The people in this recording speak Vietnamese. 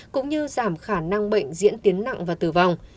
cũng như giảm khả năng bệnh diễn tiến nặng và tử vong